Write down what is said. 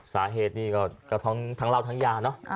สาเหตุนี่ก็ทั้งเหล้าทั้งยาเนอะ